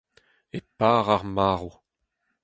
e par ar marv